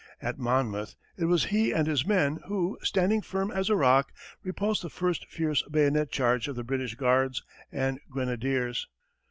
At Monmouth, it was he and his men who, standing firm as a rock, repulsed the first fierce bayonet charge of the British guards and grenadiers.